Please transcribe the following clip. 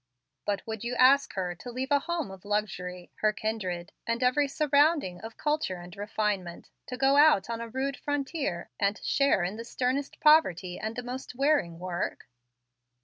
"But would you ask her to leave a home of luxury, her kindred, and every surrounding of culture and refinement, to go out on a rude frontier, and to share in the sternest poverty and the most wearing of work?"